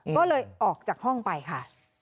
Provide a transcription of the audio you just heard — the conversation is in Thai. ก็เลยออกจากห้องไปค่ะ